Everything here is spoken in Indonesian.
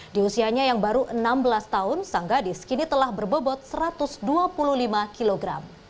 di usianya yang baru enam belas tahun sang gadis kini telah berbobot satu ratus dua puluh lima kg